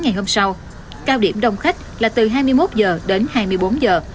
ngày hôm sau cao điểm đông khách là từ hai mươi một giờ đến hai mươi bốn giờ